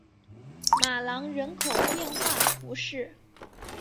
马朗人口变化图示